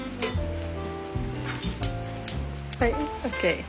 はいＯＫ。